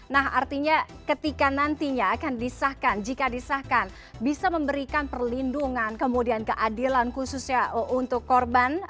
nah artinya ketika nantinya akan disahkan jika disahkan bisa memberikan perlindungan kemudian keadilan khususnya untuk korban